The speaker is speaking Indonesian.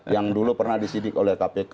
yang dulu pernah disidik oleh kpk